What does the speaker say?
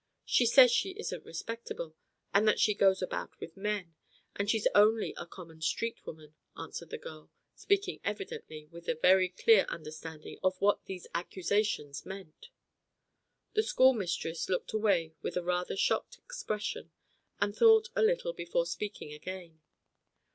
"She says she isn't respectable, and that she goes about with men, and she's only a common street woman," answered the girl, speaking evidently with a very clear understanding of what these accusations meant. The schoolmistress looked away with a rather shocked expression, and thought a little before speaking again.